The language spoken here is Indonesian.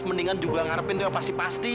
mendingan juga ngarepin tuh pasti pasti